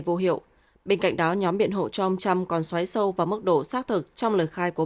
vô hiệu bên cạnh đó nhóm biện hộ cho ông trump còn xoáy sâu vào mức độ xác thực trong lời khai của